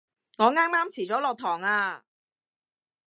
我啱啱遲咗落堂啊